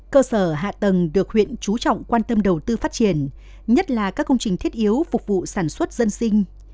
cơ sở hạ tầng được huyện chú trọng quan tâm đầu tư phát triển nhất là các công trình thiết yếu phục vụ sản xuất dân sinh